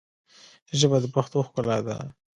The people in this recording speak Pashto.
ژبه د پښتو ښکلا ده